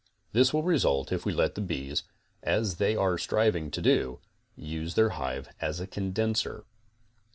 This will result if we let the bees, as they are striving to do, use their hive as a condenser.